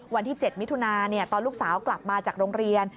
วันที่๗มิถุนาตอนลูกสาวกลับมาจากโรงเรียน